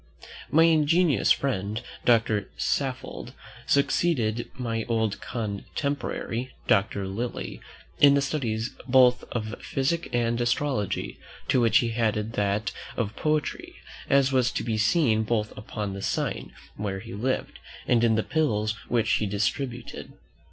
My ingenious friend, Doctor Saffold, succeeded my old contemporary, Doctor Lilly, in the studies both of physic and astrology, to which he added that of poetry, as was to be seen both upon the sign where he lived, and in the pills which he distributed.